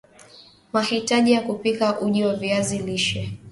mahitaji ya kupika uji wa viazi lishe